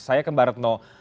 saya ke mbak retno